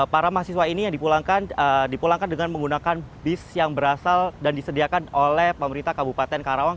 para mahasiswa ini yang dipulangkan dengan menggunakan bis yang berasal dan disediakan oleh pemerintah kabupaten karawang